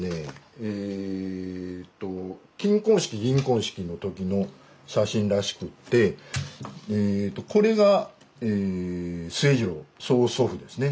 えと金婚式銀婚式の時の写真らしくってこれが末治郎曽祖父ですね。